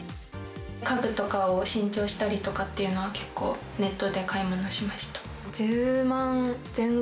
家具とかを新調したりとかっていうのは、結構、ネットで買い物しました。